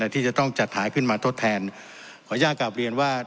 ที่จะต้องจัดหาขึ้นมาทดแทนขออนุญาตกลับเรียนว่า